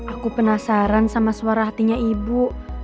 aku penasaran sama suara hatinya ibu